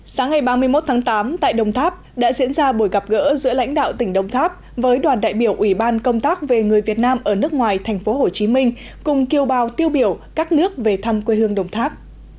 sáng ngày ba mươi một tháng tám tại đồng tháp đã diễn ra buổi gặp gỡ giữa lãnh đạo tỉnh đồng tháp với đoàn đại biểu ủy ban công tác về người việt nam ở nước ngoài tp hcm cùng kiều bào tiêu biểu các nước về thăm quê hương đồng tháp